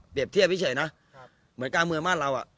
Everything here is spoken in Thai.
เปรียบเทียบพี่เฉยนะเหมือนการเมืองบ้านเราอ่ะ